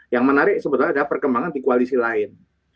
yang menarik sebetulnya adalah perkembangan di koalisi lain